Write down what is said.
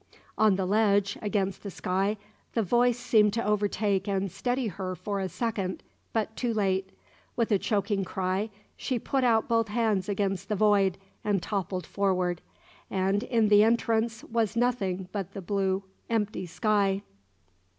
On the ledge, against the sky, the voice seemed to overtake and steady her for a second; but too late. With a choking cry, she put out both hands against the void, and toppled forward; and in the entrance was nothing but the blue, empty sky.